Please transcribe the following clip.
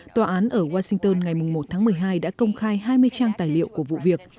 tòa án ở washington ngày một tháng một mươi hai đã công khai hai mươi trang tài liệu của vụ việc